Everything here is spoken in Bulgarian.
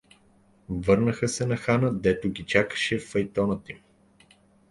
Върнаха се на хана, дето ги чакаше файтонът им.